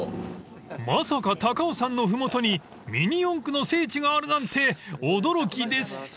［まさか高尾山の麓にミニ四駆の聖地があるなんて驚きです］